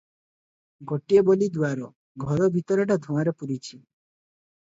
ଗୋଟିଏ ବୋଲି ଦୁଆର, ଘର ଭିତରଟା ଧୂଆଁରେ ପୁରିଛି ।